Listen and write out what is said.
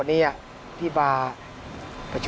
นะครับ